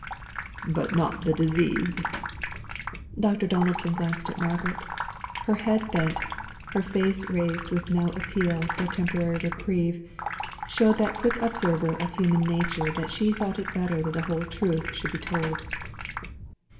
"But not the disease?" Dr. Donaldson glanced at Margaret. Her bent head, her face raised with no appeal for a temporary reprieve, showed that quick observer of human nature that she thought it better that the whole truth should be told.